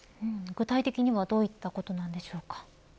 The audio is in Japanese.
具体的にはどういったことなんでしょうか。